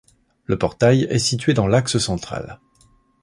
Le portail est situé dans l'axe central.